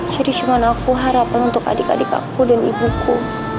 jadi cuma aku harapan untuk adik adikku dan ibuku